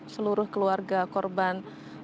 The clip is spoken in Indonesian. seluruh keluarga korban